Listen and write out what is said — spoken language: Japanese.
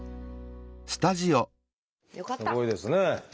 すごいですね！